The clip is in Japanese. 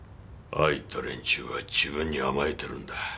ああいった連中は自分に甘えてるんだ。